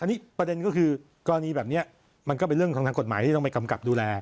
อันนี้ประเด็นก็คือกรณีแบบนี้มันก็เป็นเรื่องของทางกฎหมายที่ต้องไปกำกับดูแล